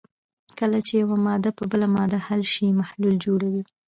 کله چې یوه ماده په بله ماده کې حل شي محلول جوړوي.